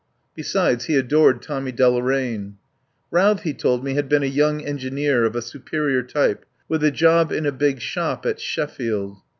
Besides, he adored Tommy Deloraine. Routh, he told me, had been a young en gineer of a superior type, with a job in a big shop at Sheffield.